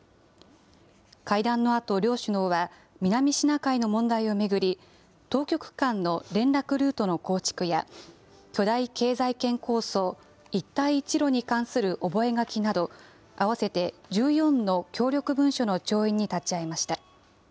会談のあと、両首脳は南シナ海の問題を巡り、当局間の連絡ルートの構築や、巨大経済圏構想、一帯一路に関する覚書など、合わせて１４の協力文書の調印に立ち会いました。